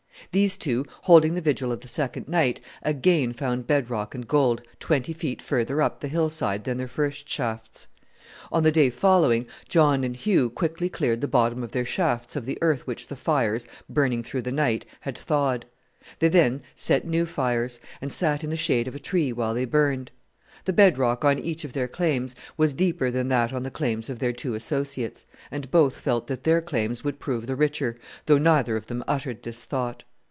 These two, holding the vigil of the second night, again found bed rock and gold, twenty feet further up the hillside than their first shafts. On the day following John and Hugh quickly cleared the bottom of their shafts of the earth which the fires, burning through the night, had thawed. They then set new fires, and sat in the shade of a tree while they burned. The bed rock on each of their claims was deeper than that on the claims of their two associates, and both felt that their claims would prove the richer, though neither of them uttered this thought.